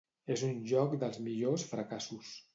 És un joc dels millors fracassos.